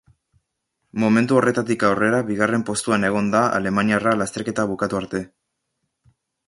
Momentu horretatik aurrera bigarren postuan egon da alemaniarra lasterketa bukatu arte.